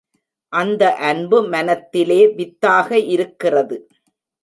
அந்த அன்பு மனத்திலே வித்தாக இருக்கிறது.